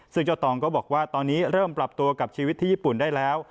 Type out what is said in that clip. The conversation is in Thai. ซึ่งเจ้าตองก็บอกว่าตอนนี้เริ่มปรับตัวกับชีวิตที่ญี่ปุ่นได้แล้ว